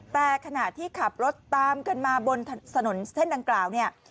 แต่ขณะที่ขับรถตามกันมาบนถนนเส้นดังกล่าวเนี่ย